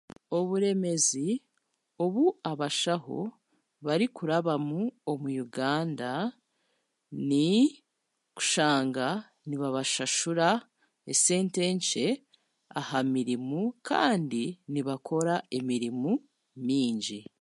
Oburemezi obu abashaho barikurabamu omu Uganda ni kushanga nibabashashura esente nkye aha mirimu, kandi nibakora emirimu mingi.